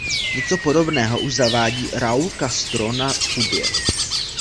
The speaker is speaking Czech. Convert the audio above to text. Něco podobného už zavádí Raúl Castro na Kubě.